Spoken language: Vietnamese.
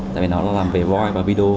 tại vì nó làm về voice và video